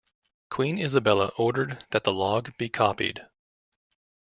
Queen Isabella ordered that the log be copied.